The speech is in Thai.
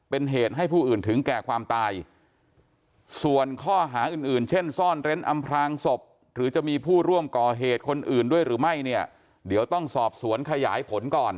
เป็นเหตุให้ผู้อื่นถึงแก่ความตายส่วนข้อหาอื่นเช่นซ่อนเร้นอำพรางศพ